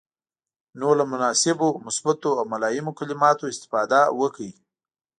نو له مناسبو، مثبتو او ملایمو کلماتو استفاده وکړئ.